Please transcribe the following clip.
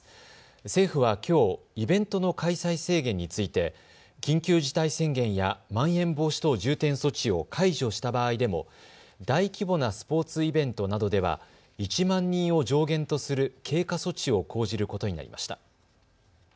政府はきょうイベントの開催制限について緊急事態宣言やまん延防止等重点措置を解除した場合でも大規模なスポーツイベントなどでは１万人を上限とする経過措置を講じることになりました。